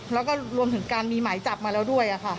แล้วก็รวมถึงการมีหมายจับมาแล้วด้วยค่ะ